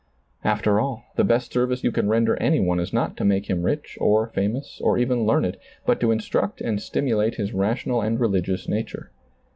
After all, the best service you can render any one is not to make him rich or famous or even learned, but to instruct and stimulate his rational and religious nature.